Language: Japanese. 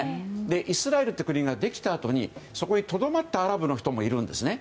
イスラエルっていう国ができた時にそこにとどまったアラブの人もいるんですね。